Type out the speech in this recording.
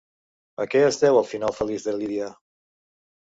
A què es deu el final feliç de Lídia?